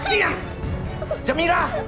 kasian itu lala pak